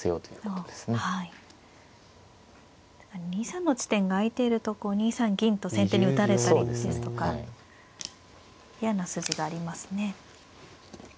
２三の地点が空いていると２三銀と先手に打たれたりですとか嫌な筋がありますね。